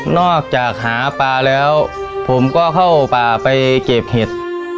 หาปลาแล้วผมก็เข้าป่าไปเก็บเห็ด